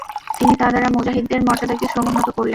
তিনি তা দ্বারা মুজাহিদদের মর্যাদাকে সমুন্নত করলেন।